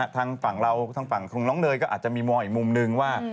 ทางฝั่งเราทางฝั่งของน้องเนยก็อาจจะมีมองอีกมุมนึงว่า